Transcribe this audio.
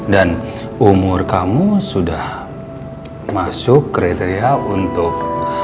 dan umur kamu sudah masuk kriteria untuk